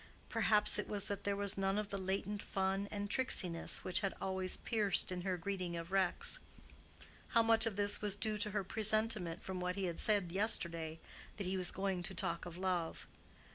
Perhaps it was that there was none of the latent fun and tricksiness which had always pierced in her greeting of Rex. How much of this was due to her presentiment from what he had said yesterday that he was going to talk of love?